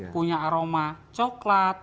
punya aroma coklat